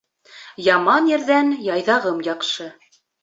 Яман ирҙән яйҙағым яҡшы.